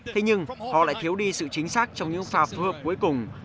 thế nhưng họ lại thiếu đi sự chính xác trong những pha phối hợp cuối cùng